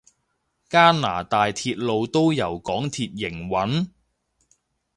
加拿大鐵路都由港鐵營運？